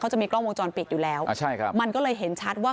เขาจะมีกล้องวงจรปิดอยู่แล้วมันก็เลยเห็นชัดว่า